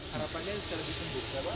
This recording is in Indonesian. harapannya bisa lebih sembuh